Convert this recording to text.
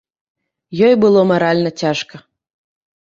Ёй было маральна цяжка.